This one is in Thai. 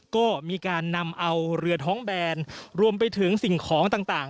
ก็มีการนำเอาเรือท้องแบนรวมไปถึงสิ่งของต่าง